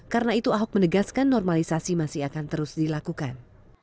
karena itu ahok menegaskan normalisasi masih akan terus dilakukan